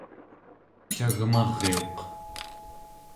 cagmariuq